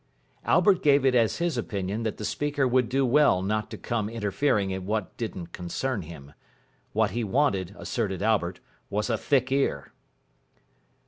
Albert gave it as his opinion that the speaker would do well not to come interfering in what didn't concern him. What he wanted, asserted Albert, was a thick ear.